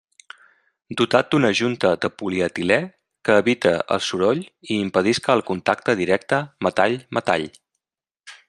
Dotat d'una junta de polietilé, que evite soroll i impedisca el contacte directe metall-metall.